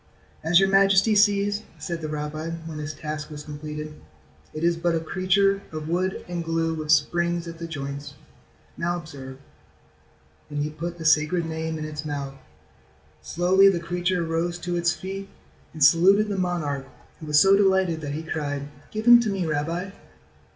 "As your majesty sees," said the rabbi, when his task was completed, "it is but a creature of wood and glue with springs at the joints. Now observe," and he put the Sacred Name in its mouth. Slowly the creature rose to its feet and saluted the monarch who was so delighted that he cried: "Give him to me, rabbi."